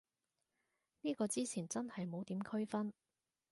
呢個之前真係冇點區分